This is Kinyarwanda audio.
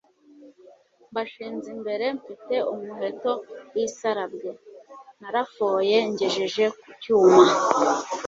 Mbashinze imbere mfite umuheto w'isarabwe. Narafoye ngejeje ku cyuma